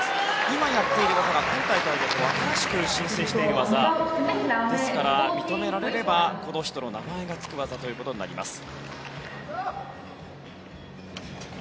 今やった技が今大会で新しく申請している技ですから認められればこの人の名前がつくという技になります。